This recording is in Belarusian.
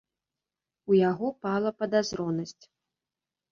У яго пала падазронасць.